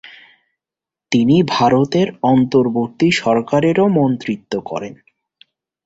তিনি ভারতের অন্তর্বর্তী সরকারেও মন্ত্রীত্ব করেন।